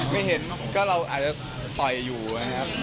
ไม่เห็นก็เราอาจจะต่อยอยู่นะครับ